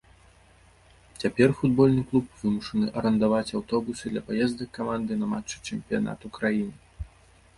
Цяпер футбольны клуб вымушаны арандаваць аўтобусы для паездак каманды на матчы чэмпіянату краіны.